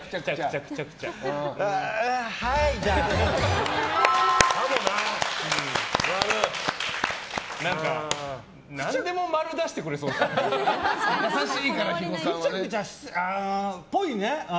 くちゃくちゃああ、っぽいね。